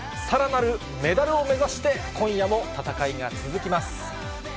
さらなるメダルを目指して今夜も戦いが続きます。